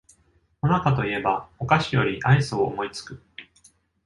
もなかと言えばお菓子よりアイスを思いつく